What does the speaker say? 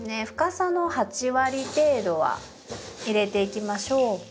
深さの８割程度は入れていきましょう。